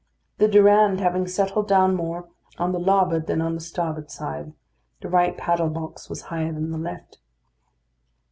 The Durande having settled down more on the larboard than on the starboard side, the right paddle box was higher than the left.